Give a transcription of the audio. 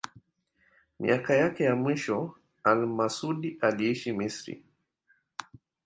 Miaka yake ya mwisho al-Masudi aliishi Misri.